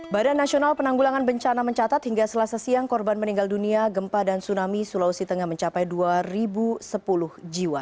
badan nasional penanggulangan bencana mencatat hingga selasa siang korban meninggal dunia gempa dan tsunami sulawesi tengah mencapai dua sepuluh jiwa